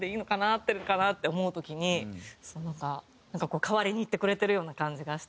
合ってるかな？って思う時に代わりに言ってくれてるような感じがして。